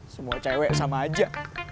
semua cewek sama aja